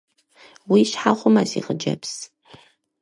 Уи щхьэ хъумэ, си хъыджэбз.